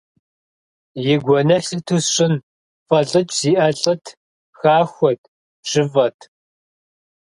И гуэныхь сыту сщӏын, фӏэлӏыкӏ зиӏэ лӏыт, хахуэт, бжьыфӏэт.